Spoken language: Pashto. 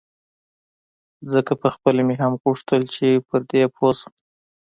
ځکه پخپله مې هم غوښتل چې پر دې پوی شم.